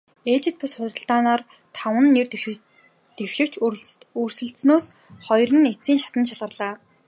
Ээлжит бус хурлаар таван нэр дэвшигч өрсөлдсөнөөс хоёр нь эцсийн шатанд шалгарлаа.